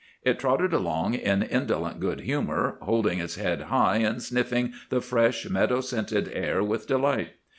It trotted along in indolent good humor, holding its head high, and sniffing the fresh, meadow scented air with delight.